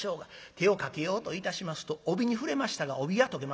手をかけようといたしますと帯に触れましたが帯が解けましてズルズルズル。